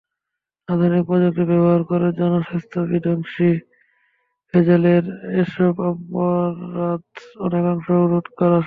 আধুনিক প্রযুক্তি ব্যবহার করে জনস্বাস্থ্যবিধ্বংসী ভেজালের এসব অপরাধ অনেকাংশে রোধ করা সম্ভব।